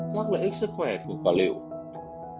các lợi ích sức khỏe của quả rượu